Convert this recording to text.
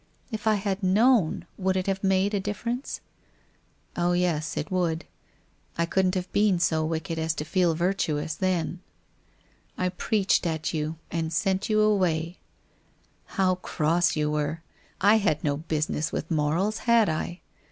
If I had known would it have made a difference? Oh, yes, it would. I couldn't have been so wicked as to feel virtuous, then. I preached at you and sent you away. How cross you WHITE ROSE OF WEARY LEAF 417 were! I had no business with moral?, had I